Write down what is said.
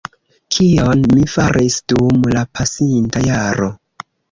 kion mi faris dum la pasinta jaro.